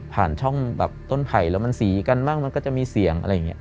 ช่องแบบต้นไผ่แล้วมันสีกันบ้างมันก็จะมีเสียงอะไรอย่างนี้